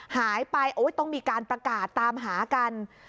หายไปต้องมีการประกาศตามหากัน